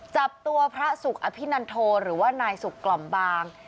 จับตัวพระสุขอภินันโทหรือว่านายสุขกล่อมบาง